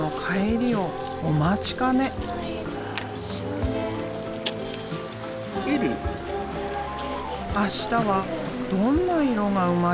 明日はどんな色が生まれるのかな。